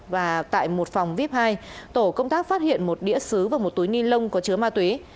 và tại một phòng vip hai tổ công tác phát hiện một đĩa xứ và một túi ni lông có chứa ma túy